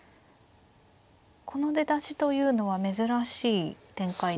この出だしというのは珍しい展開ですか。